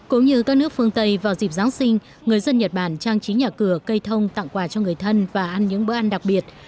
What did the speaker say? cũng như các nước phương tây vào dịp giáng sinh người dân nhật bản trang trí nhà cửa cây thông tặng quà cho người thân và ăn những bữa ăn đặc biệt